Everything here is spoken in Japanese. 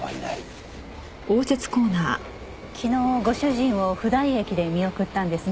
昨日ご主人を普代駅で見送ったんですね？